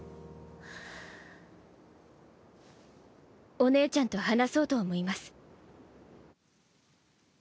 お姉ちゃんと話そうと思います。